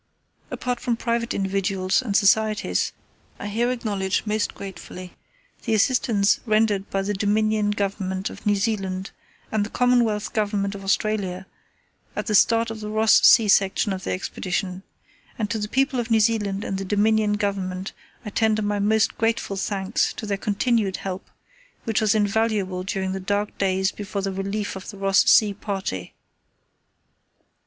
Apart from private individuals and societies I here acknowledge most gratefully the assistance rendered by the Dominion Government of New Zealand and the Commonwealth Government of Australia at the start of the Ross Sea section of the Expedition; and to the people of New Zealand and the Dominion Government I tender my most grateful thanks for their continued help, which was invaluable during the dark days before the relief of the Ross Sea Party.